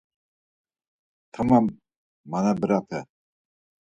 Tamam manebrape.